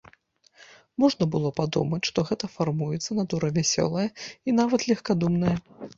Можна было падумаць, што гэта фармуецца натура вясёлая і нават легкадумная.